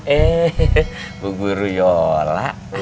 eh bu guru yola